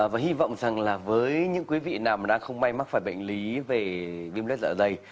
và hy vọng rằng là với những quý vị nào mà đang không may mắc phải bệnh lý về viêm lết dạ dày